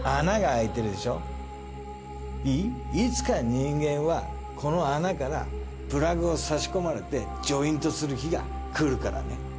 いつか人間はこの穴からプラグを差し込まれてジョイントする日がくるからね。